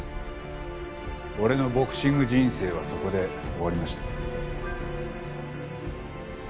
俺のボクシング人生はそこで終わりました。